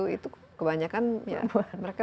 itu kebanyakan ya mereka